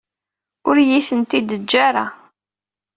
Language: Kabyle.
Ur iyi-ten-id-yeǧǧa ara.